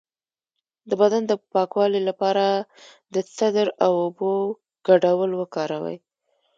د بدن د پاکوالي لپاره د سدر او اوبو ګډول وکاروئ